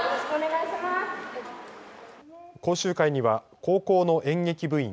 講習会には高校の演劇部員